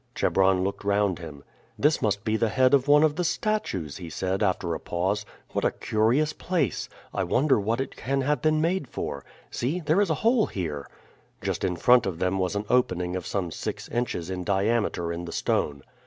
Chebron looked round him. "This must be the head of one of the statues," he said after a pause. "What a curious place! I wonder what it can have been made for. See, there is a hole here!" Just in front of them was an opening of some six inches in diameter in the stone.